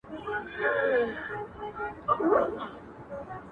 • و څښتن د سپي ته ورغله په قار سوه,